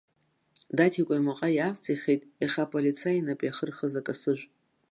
Даҭикәа имаҟа иаавҵихит иаха аполицаи инапы иахырхыз акасыжә.